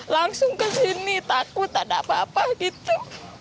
langsung ke sini takut tak ada apa apa gitu